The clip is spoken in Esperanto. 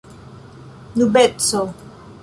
nubeco